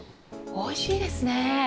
おいしいですね。